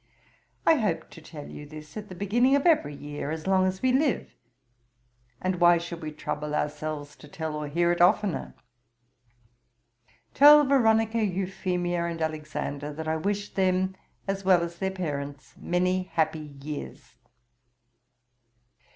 I hope to tell you this at the beginning of every year as long as we live; and why should we trouble ourselves to tell or hear it oftener? 'Tell Veronica, Euphemia, and Alexander, that I wish them, as well as their parents, many happy years.